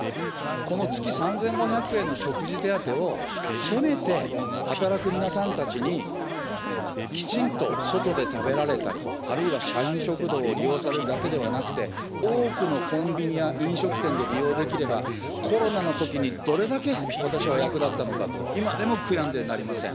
この月３５００円の食事手当をせめて働く皆さんたちにきちんと外で食べられたり、あるいは社員食堂を利用されるだけではなくて、多くのコンビニや飲食店で利用できれば、コロナのときにどれだけ私は役立ったのかと、今でも悔やんでなりません。